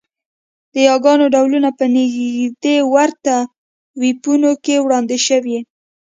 د یاګانو ډولونه په نږدې ورته وییونو کې وړاندې شوي